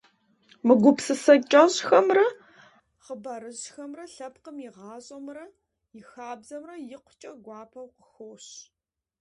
Мы гупсысэ кӏэщӏхэмрэ хъыбарыжьхэмрэ лъэпкъым и гъащӏэмрэ и хабзэмрэ икъукӏэ гуапэу къыхощ.